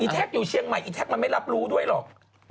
แท็กอยู่เชียงใหม่อีกแท็กมันไม่รับรู้ด้วยหรอก